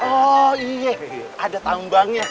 oh iya ada tambangnya